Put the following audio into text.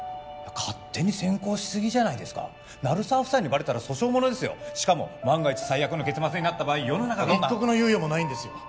勝手に先行しすぎじゃないですか鳴沢夫妻にバレたら訴訟ものですよしかも万が一最悪の結末になった場合世の中が一刻の猶予もないんですよ